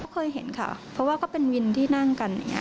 เคยเห็นค่ะเพราะว่าก็เป็นวินที่นั่งกันอย่างนี้